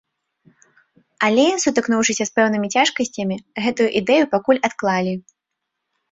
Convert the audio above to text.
Але, сутыкнуўшыся з пэўнымі цяжкасцямі, гэтую ідэю пакуль адклалі.